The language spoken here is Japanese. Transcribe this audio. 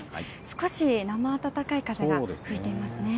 少し生暖かい風が吹いていますね。